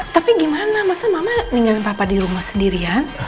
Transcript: tapi gimana masa mama tinggalin papa di rumah sendirian